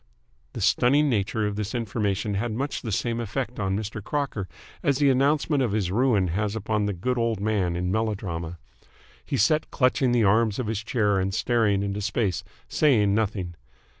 The stunning nature of this information had much the same effect on Mr. Crocker as the announcement of his ruin has upon the Good Old Man in melodrama. He sat clutching the arms of his chair and staring into space, saying nothing.